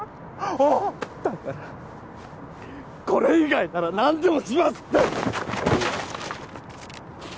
だからこれ以外なら何でもしますって！